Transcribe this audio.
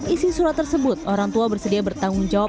isi surat tersebut orang tua bersedia bertanggung jawab